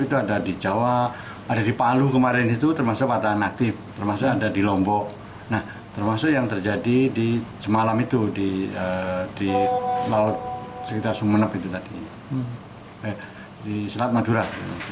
termasuk yang terjadi di semalam itu di laut sekitar sumeneb itu tadi di selat madura